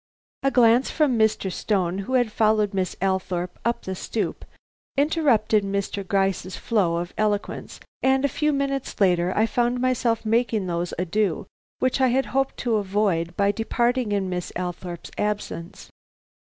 A glance from Mr. Stone, who had followed Miss Althorpe up the stoop, interrupted Mr. Gryce's flow of eloquence, and a few minutes later I found myself making those adieux which I had hoped to avoid by departing in Miss Althorpe's absence.